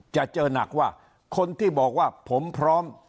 จะเจอหนักว่าคนที่บอกว่าผมพร้อม